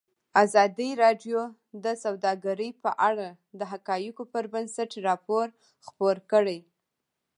ازادي راډیو د سوداګري په اړه د حقایقو پر بنسټ راپور خپور کړی.